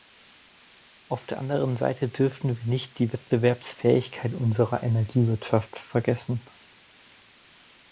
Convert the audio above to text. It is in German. Auf der anderen Seite dürfen wir nicht die Wettbewerbsfähigkeit unserer Energiewirtschaft vergessen.